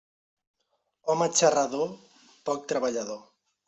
Home xarrador, poc treballador.